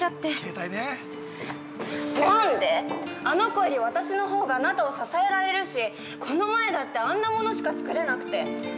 あの子より私のほうがあなたを支えられるし、この前だって、あんなものしか作れなくて。